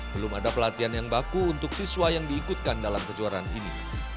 belum ada pelatihan yang baku untuk siswa yang diikutkan dalam kejuaraan ini